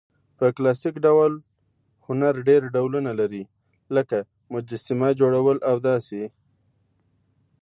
په کلاسیک ډول هنرډېر ډولونه لري؛ لکه: مجسمه، جوړول او داسي...